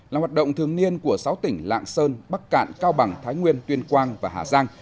là hoạt động thường niên của sáu tỉnh lạng sơn bắc cạn cao bằng thái nguyên tuyên quang và hà giang